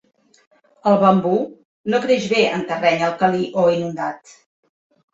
El bambú no creix bé en terreny alcalí o inundat.